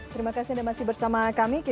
terima kasih anda masih bersama kami